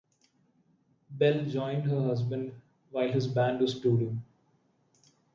Bell joined her husband while his band was touring.